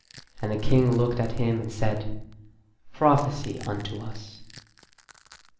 And the King looked at him and said, "Prophesy unto us."